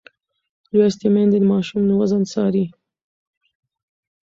لوستې میندې د ماشوم وزن څاري.